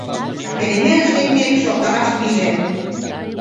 А переменыш лекмек, шылталаш пиже: